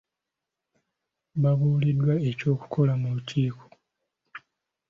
Babuuliddwa eky'okukola mu lukiiko.